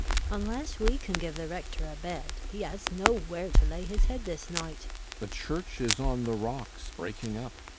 Unless we can give the Rector a bed he has nowhere to lay his head this night. CAPTAIN SHOTOVER. The Church is on the rocks, breaking up.